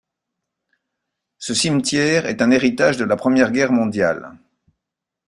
Ce cimetière est un héritage de la Première Guerre mondiale.